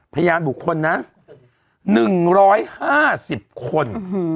พยานบุคคลนะ๑๕๐คน